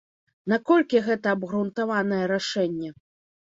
Наколькі гэта абгрунтаванае рашэнне?